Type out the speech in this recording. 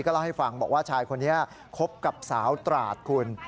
เล่าให้ฟังบอกว่าชายคนนี้คบกับสาวตราดคุณ